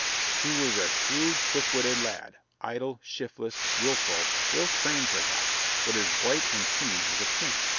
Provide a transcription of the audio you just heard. He was a shrewd, quick witted lad, idle, shiftless, willful, ill trained perhaps, but as bright and keen as a pin.